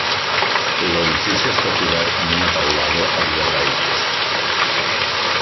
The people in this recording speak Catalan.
L’edifici està cobert amb una teulada a dues aigües.